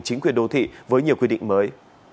chính quyền đô thị với nhiều quy định mới